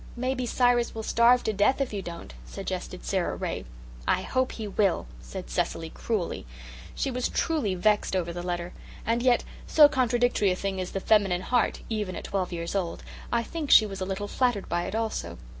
"Maybe Cyrus will starve to death if you don't," suggested Sara Ray. "I hope he will," said Cecily cruelly. She was truly vexed over the letter; and yet, so contradictory a thing is the feminine heart, even at twelve years old, I think she was a little flattered by it also.